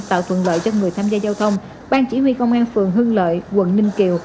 tạo thuận lợi cho người tham gia giao thông ban chỉ huy công an phường hưng lợi quận ninh kiều